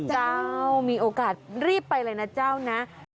มีโอกาสรีบไปเลยนะเจ้านะ